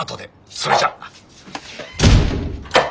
それじゃ！